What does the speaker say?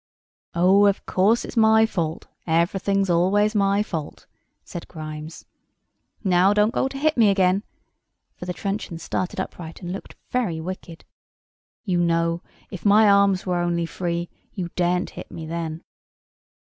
"Oh, of course, it's my fault. Everything's always my fault," said Grimes. "Now don't go to hit me again" (for the truncheon started upright, and looked very wicked); "you know, if my arms were only free, you daren't hit me then."